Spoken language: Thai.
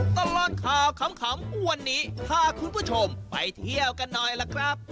ตลอดข่าวขำวันนี้พาคุณผู้ชมไปเที่ยวกันหน่อยล่ะครับ